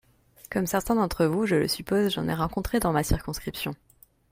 Comme certains d’entre vous je le suppose, j’en ai rencontré dans ma circonscription.